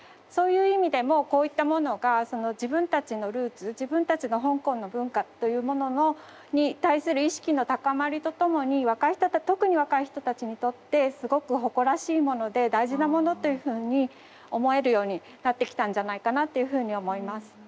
そういう意味でもこういったものが自分たちのルーツ自分たちの香港の文化というものに対する意識の高まりとともに若い人特に若い人たちにとってすごく誇らしいもので大事なものというふうに思えるようなってきたんじゃないかなっていうふうに思います。